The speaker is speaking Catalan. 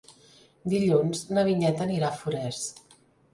Dilluns na Vinyet anirà a Forès.